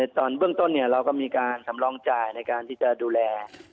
ตอนเบื้องต้นเราก็มีการสำรองจ่ายในการที่จะดูแล